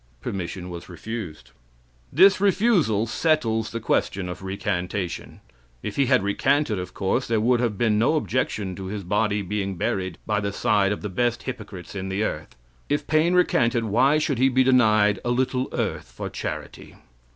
Permission was refused. This refusal settles the question of recantation. If he had recanted, of course there would have been no objection to his body being buried by the side of the best hypocrites in the earth. If Paine recanted, why should he denied "a little earth for charity?"